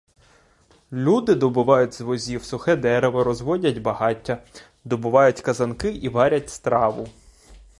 Люди добувають з возів сухе дерево, розводять багаття, добувають казанки і варять страву.